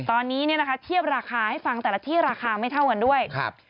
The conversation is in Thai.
ตอนนี้เนี่ยนะคะเทียบราคาให้ฟังแต่ละที่ราคาไม่เท่ากันด้วยครับ